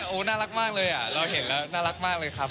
อ๋อคู่นั้นน่ารักมากเลยอ่ะเราเห็นแล้วน่ารักมากเลยครับ